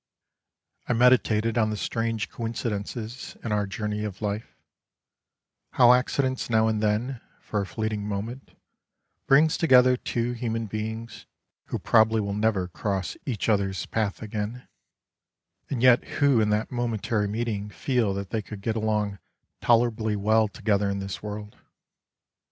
I meditated on the strange coincidences in our journey of life, how accidents now and then, for a fleeting moment, brings together two human beings,, who probably will never cross each other's path again,, and yet who in that mometary meeting feel that they could get along tolerably well together in this world.